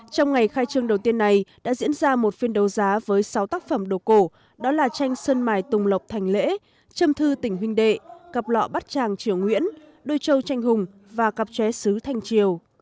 trong ngày khai trương đầu tiên này đã diễn ra một phiên đấu giá với sáu tác phẩm đồ cổ đó là tranh sơn mài tùng lộc thành lễ châm thư tỉnh huynh đệ cặp lọ bát tràng triều nguyễn đôi châu tranh hùng và cặp ché sứ thanh triều